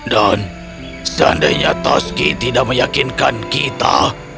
dan seandainya toski tidak meyakinkan kita